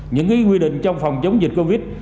những cái quy định trong phòng chống dịch covid